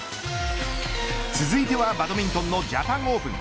続いてはバドミントンのジャパンオープン。